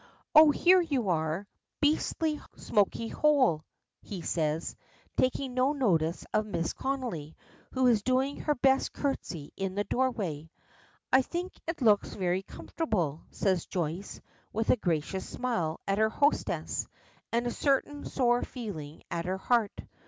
"Oh! here you are. Beastly, smoky hole!" he says, taking no notice of Mrs. Connolly, who is doing her best curtsey in the doorway. "I think it looks very comfortable," says Joyce, with a gracious smile at her hostess, and a certain sore feeling at her heart.